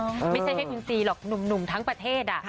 ไม่ใช่แค่คุณซีหรอกหนุ่มทั้งประเทศ